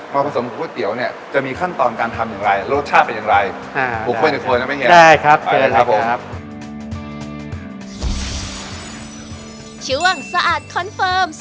พอผสมกับก๋วยเตี๋ยวเนี่ยจะมีขั้นตอนการทำอย่างไรรสชาติเป็นอย่างไร